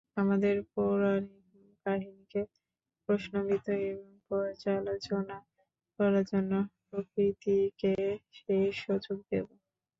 আমাদের পৌরাণিক কাহিনীকে প্রশ্নবিদ্ধ এবং পর্যালোচনা করার জন্য প্রকৃতিকে সেই সুযোগ দেব।